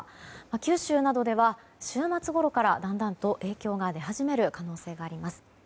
九州などでは週末ごろからだんだんと影響が出始める可能性があります。